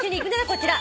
こちら。